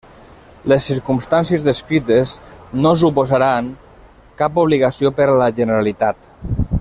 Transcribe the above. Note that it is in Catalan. Les circumstàncies descrites no suposaran cap obligació per a la Generalitat.